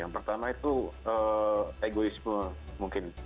yang pertama itu egoisme mungkin